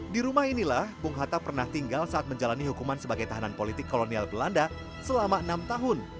di rumah inilah bung hatta pernah tinggal saat menjalani hukuman sebagai tahanan politik kolonial belanda selama enam tahun